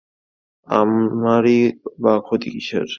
আমারই বা ক্ষতি কিসের!